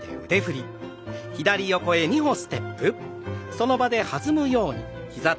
その場で。